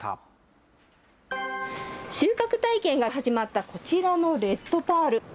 収穫体験が始まったこちらのレッドパール。